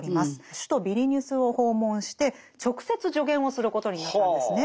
首都ビリニュスを訪問して直接助言をすることになったんですね。